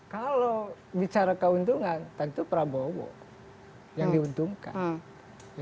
kalau bicara keuntungan tentu prabowo yang diuntungkan